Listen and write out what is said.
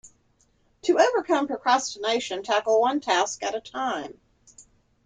To overcome procrastination, tackle one task at a time.